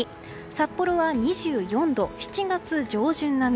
札幌は２４度、７月上旬並み。